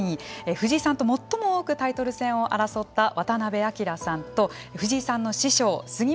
藤井さんと最も多くタイトル戦を争った渡辺明さんと藤井さんの師匠、杉本昌隆さんとお伝えしていきます。